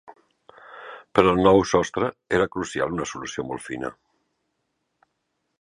Per al nou sostre, era crucial una solució molt fina.